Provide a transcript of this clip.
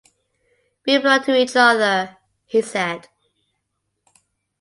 “We belong to each other,” he said.